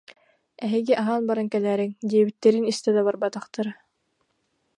«Эһиги аһаан баран кэлээриҥ» диэбиттэрин истэ да барбатахтара